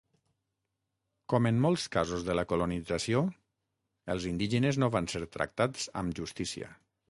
Com en molts casos de la colonització, els indígenes no van ser tractats amb justícia.